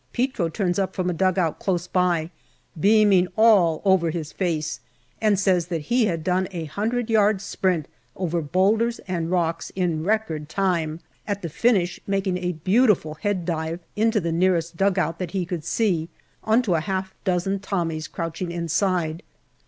Petro turns up from a dugout close by, beaming all over his face, and says that he had done a hundred yards' sprint over boulders and rocks in record time, at the finish making a beautiful head dive into the nearest dugout that he could see, on to a half dozen Tommies crouching inside.